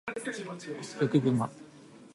ホッキョクグマ